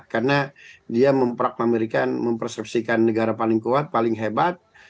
karena dia memperakkan mereka mempersepsikan negara paling kuat paling hebat